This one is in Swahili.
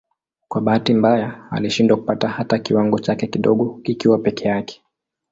Kwa bahati mbaya alishindwa kupata hata kiwango chake kidogo kikiwa peke yake.